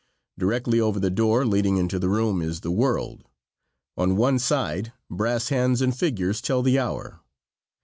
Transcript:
Directly over the door leading into the room is the "World." On one side brass hands and figures tell the hour.